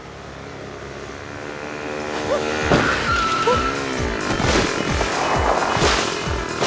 あっ！